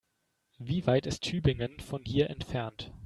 Wie weit ist Tübingen von hier entfernt?